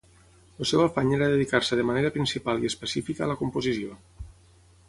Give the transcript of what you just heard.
El seu afany era dedicar-se, de manera principal i específica, a la composició.